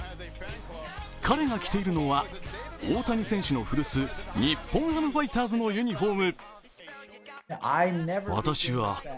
彼が着ているのは大谷選手の古巣、日本ハムファイターズのユニフォーム。